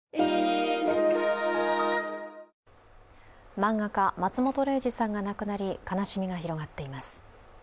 漫画家・松本零士さんが亡くなり、悲しみが広がっています。